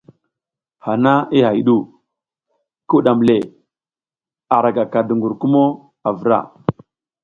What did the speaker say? Hana i hay ɗu, ki wuɗam le, ara gaka duƞgur kumo a vra.